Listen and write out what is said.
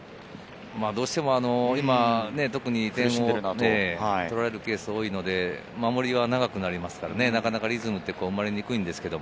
どうしても今、特に点を取られるケースが多いので、守りは長くなりますから、リズムはうまれにくいんですけど。